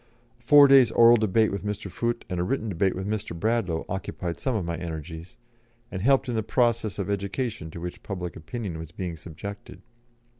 A four days' oral debate with Mr. Foote, and a written debate with Mr. Bradlaugh, occupied some of my energies, and helped in the process of education to which public opinion was being subjected.